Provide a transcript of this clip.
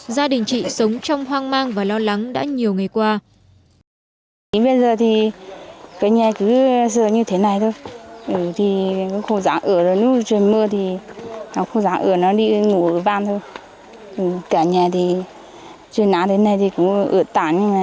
gia đình chị sống trong hoang mang và lo lắng đã nhiều ngày qua